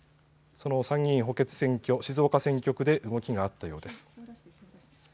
その参議院補欠選挙静岡選挙区で動きがあったようです。